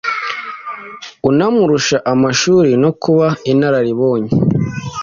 unamurusha amashuri no kuba inararibonye.